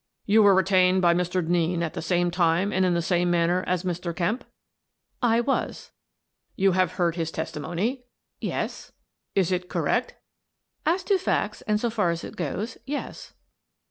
" You were retained by Mr. Denneen at the same time and in the same manner as Mr. Kemp? "" I was." " You have heard his testimony? "" Yes." "Is it correct?" "As to facts, and so far as it goes, yes."